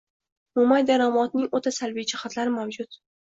– mo‘may daromadning o‘ta salbiy jihatlari mavjud: